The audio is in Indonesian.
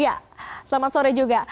ya selamat sore juga